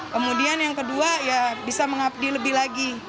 kemudian yang kedua ya bisa mengabdi lebih lagi